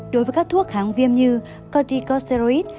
đối với các thuốc kháng viêm như corticosteroids